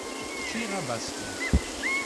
Ččiɣ abaskiḍ.